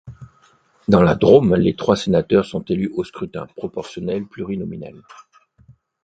Dans la Drôme, les trois sénateurs sont élus au scrutin proportionnel plurinominal.